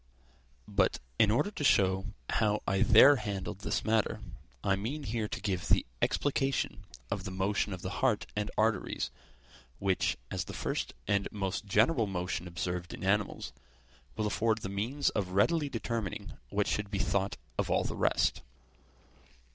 But, in order to show how I there handled this matter, I mean here to give the explication of the motion of the heart and arteries, which, as the first and most general motion observed in animals, will afford the means of readily determining what should be thought of all the rest.